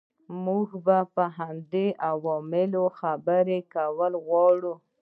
موږ په همدې عواملو خبرې کول غواړو.